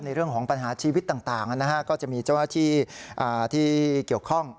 เรื่องของปัญหาชีวิตต่างก็จะมีเจ้าหน้าที่ที่เกี่ยวข้อง